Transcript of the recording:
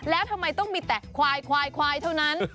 แล้วทำไมต้องมีแต่ควายเท่านั้น